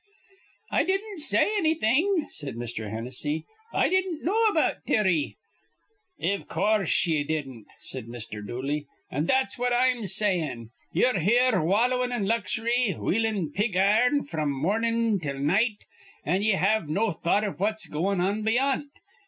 "I didn't say annything," said Mr. Hennessy. "I didn't know about Terry." "Iv coorse, ye didn't," said Mr. Dooley. "An' that's what I'm sayin'. Ye're here wallowin' in luxury, wheelin' pig ir'n fr'm morn till night; an' ye have no thought iv what's goin' on beyant.